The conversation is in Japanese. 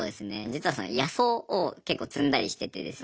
実は野草を結構摘んだりしててですね。